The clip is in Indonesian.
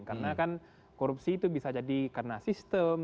karena kan korupsi itu bisa jadi karena sistem